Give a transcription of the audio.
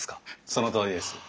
そのとおりです。